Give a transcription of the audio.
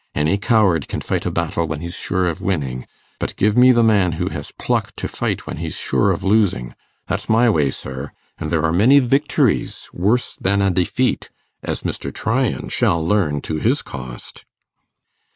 Any coward can fight a battle when he's sure of winning; but give me the man who has pluck to fight when he's sure of losing. That's my way, sir; and there are many victories worse than a defeat, as Mr. Tryan shall learn to his cost.